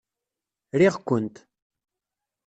Riɣ-kent.